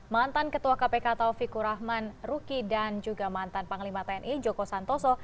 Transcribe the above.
mantan ketua kpk taufikur rahman ruki dan juga mantan panglima tni joko santoso